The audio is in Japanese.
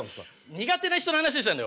苦手な人の話をしてたんだよ俺！